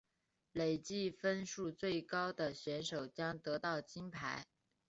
累积分数最高的选手将得到金牌。